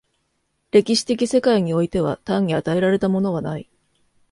歴史的世界においては単に与えられたものはない。